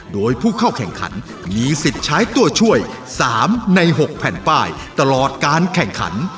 โดยผู้เข้าแข่งขันมีสิทธิ์ใช้ตัวช่วย๓ใน๖แผ่นป้ายตลอดการแข่งขัน